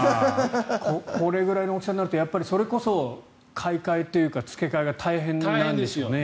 これぐらいの大きさになるとやっぱりそれこそ買い替えというか付け替えが大変なんでしょうね。